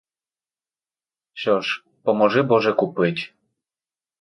Що ж, поможи боже купить.